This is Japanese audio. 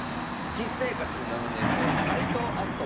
棋士生活７年目斎藤明日斗